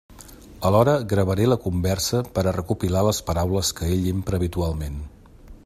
Alhora gravaré la conversa per a recopilar les paraules que ell empra habitualment.